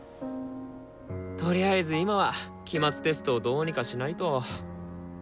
とりあえず今は期末テストをどうにかしないと。